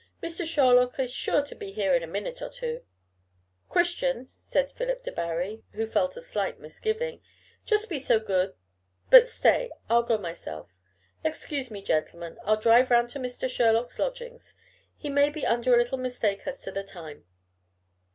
"Mr. Sherlock is sure to be here in a minute or two." "Christian," said Philip Debarry, who felt a slight misgiving, "just be so good but stay, I'll go myself. Excuse me, gentlemen: I'll drive round to Mr. Sherlock's lodgings. He may be under a little mistake as to the time.